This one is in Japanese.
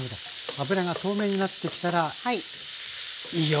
油が透明になってきたらいいよ！